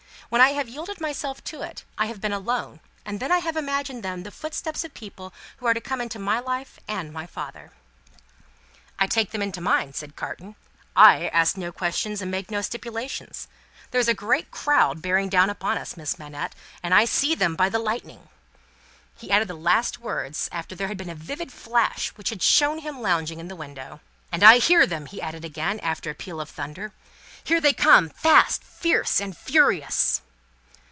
When I have yielded myself to it, I have been alone, and then I have imagined them the footsteps of the people who are to come into my life, and my father's." "I take them into mine!" said Carton. "I ask no questions and make no stipulations. There is a great crowd bearing down upon us, Miss Manette, and I see them by the Lightning." He added the last words, after there had been a vivid flash which had shown him lounging in the window. "And I hear them!" he added again, after a peal of thunder. "Here they come, fast, fierce, and furious!"